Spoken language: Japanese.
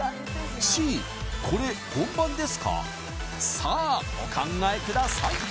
さあお考えください